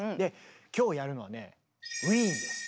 今日やるのはねウィーンです。